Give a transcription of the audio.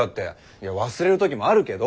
いや忘れるときもあるけど。